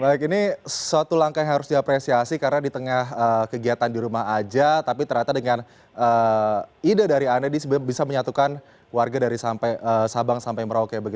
baik ini suatu langkah yang harus diapresiasi karena di tengah kegiatan di rumah aja tapi ternyata dengan ide dari anda bisa menyatukan warga dari sabang sampai merauke